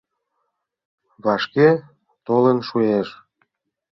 — Вашке толын шуэш.